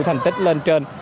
thành tích lên trên